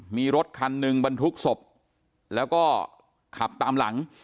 มีรถคันหนึ่งบรรทุกศพแล้วก็ขับตามหลัง